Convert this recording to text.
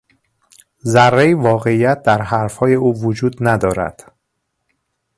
ذرهای واقعیت در حرفهای او وجود ندارد.